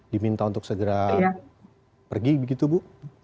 diminta untuk segera pergi begitu bu